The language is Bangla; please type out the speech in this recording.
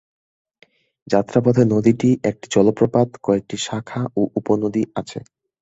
যাত্রাপথে নদীটির একটি জলপ্রপাত, কয়েকটি শাখা ও উপনদী আছে।